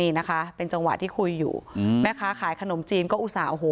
นี่นะคะเป็นจังหวะที่คุยอยู่อืมแม่ค้าขายขนมจีนก็อุตส่าห์โอ้โห